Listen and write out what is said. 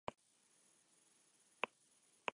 Esto elimina la necesidad de tener cola de correo.